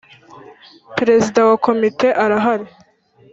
Perezida wa Komite arahari.